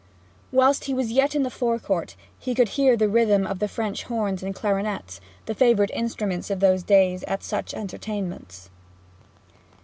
Whilst he was yet in the forecourt he could hear the rhythm of French horns and clarionets, the favourite instruments of those days at such entertainments.